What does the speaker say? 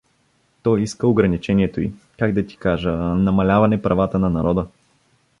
— Той иска ограничението й, как да ти кажа… намаляване правата на народа.